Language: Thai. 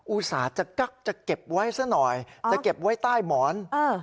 อุตส่าห์จะกักจะเก็บไว้ซะหน่อยจะเก็บไว้ใต้หมอน